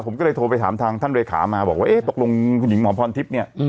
ผมก็เลยโทรไปถามทางท่านเลขามาบอกว่าเอ๊ะตกลงคุณหญิงหมอพรทิพย์เนี่ย